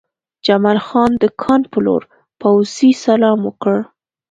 جمال خان د کان په لور پوځي سلام وکړ